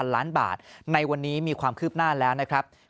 ล้านบาทในวันนี้มีความคืบหน้าแล้วนะครับ